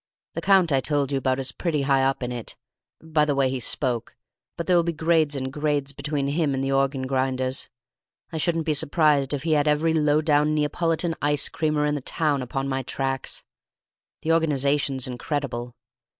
The Count I told you about is pretty high up in it, by the way he spoke, but there will be grades and grades between him and the organ grinders. I shouldn't be surprised if he had every low down Neapolitan ice creamer in the town upon my tracks! The organization's incredible.